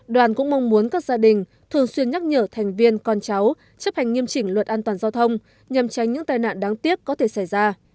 đoàn cũng mong muốn các gia đình thường xuyên nhắc nhở thành viên con cháu chấp hành nghiêm chỉnh luật an toàn giao thông nhằm tránh những tai nạn đáng tiếc có thể xảy ra